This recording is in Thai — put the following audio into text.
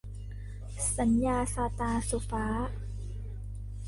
สัญญาซาตาน - สุฟ้า